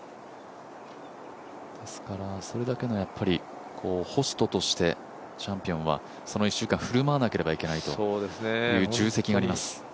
ですからそれだけのホストとしてチャンピオンはその１週間、振る舞わなければいけないという重責があります。